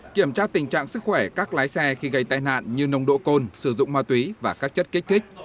kiểm tra tình trạng sức khỏe các lái xe khi gây tai nạn như nông độ côn sử dụng ma túy và các chất kích thích